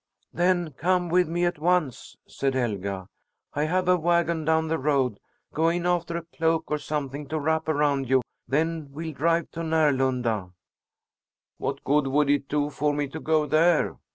"Then come with me at once!" said Helga. "I have a wagon down the road. Go in after a cloak or something to wrap around you; then we'll drive to Närlunda." "What good would it do for me to go there?"